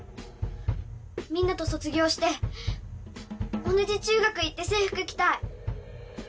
みんなと卒業して同じ中学行って制服着たい。